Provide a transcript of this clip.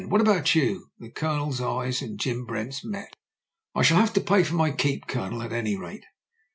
What about you?" The O)loners eyes and Jim Brent's met. "1 shall have paid for my keep. Colonel, at any rate."